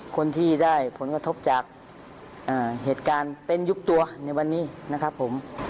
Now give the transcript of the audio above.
คนที่ได้ผลกระทบจากเหตุการณ์เต้นยุบตัวในวันนี้นะครับผม